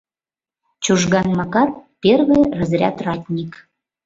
Чужган Макар — первый разряд ратник.